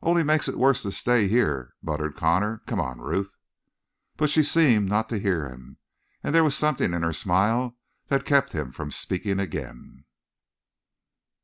"Only makes it worse to stay here," muttered Connor. "Come on, Ruth." But she seemed not to hear him, and there was something in her smile that kept him from speaking again.